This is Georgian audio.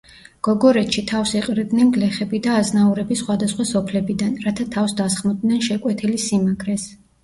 გოგორეთში თავს იყრიდნენ გლეხები და აზნაურები სხვადასხვა სოფლებიდან, რათა თავს დასხმოდნენ შეკვეთილის სიმაგრეს.